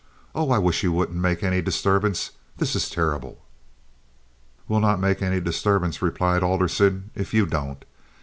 Oh, I wish you wouldn't make any disturbance. This is terrible." "We'll not make any disturbance," replied Alderson, "if you don't.